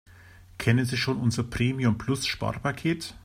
Kennen Sie schon unser Premium-Plus-Sparpaket?